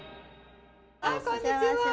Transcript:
あこんにちは。